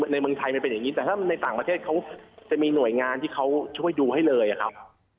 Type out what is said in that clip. ในเมืองไทยมันเป็นอย่างนี้แต่ถ้าในต่างประเทศเขาจะมีหน่วยงานที่เขาช่วยดูให้เลยอะครับ